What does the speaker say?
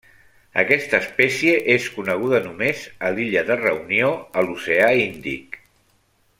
Aquesta espècie és coneguda només a l'illa de Reunió, a l'oceà Índic.